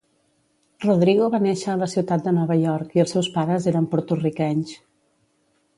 Rodrigo va néixer a la ciutat de Nova York i els seus pares eren porto-riquenys.